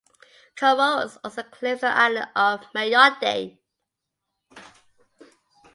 Comoros also claims the island of Mayotte.